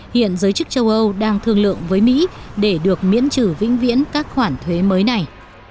hiện giới chức châu âu đang thương lượng với mỹ để được miễn trừ vĩnh viễn các khoản thuế mới này